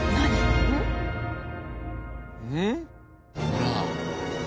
ほら。